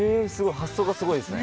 発想がすごいですね。